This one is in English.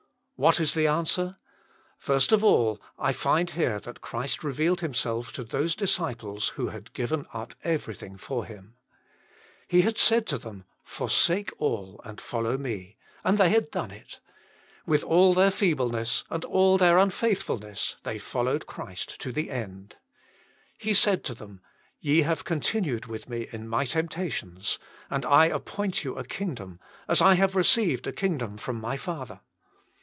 What is the an swer? First of all I think I find here that Christ revealed Himself to those disciples Wbo bad Qivcxi up cocveffyixiQ tor f)fm* He had said to them :<< Forsake all and follow Me," and they had done it. With all their feebleness and all their 9 18 Jtivs Himself, unfaithfulness they followed Christ to the end. He said to them: <* Ye have continued with Me in My temptations, and I appoint you a kingdom, as I have received a kingdom from My Father."